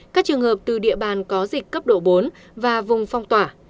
các trường hợp từ địa bàn có dịch cấp độ bốn và vùng phong tỏa